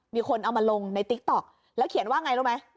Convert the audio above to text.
มีคนเอามาลงในติ๊กต๊อกแล้วเขียนว่าไงรู้ไหม